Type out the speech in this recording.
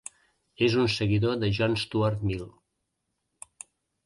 És un seguidor de John Stuart Mill.